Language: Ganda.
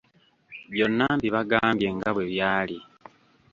Byonna mbibagambye nga bwe byali.